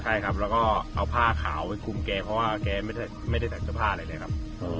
ใช่ครับแล้วก็เอาผ้าขาวไปคุมแกเพราะว่าแกไม่ได้ใส่เสื้อผ้าอะไรเลยครับ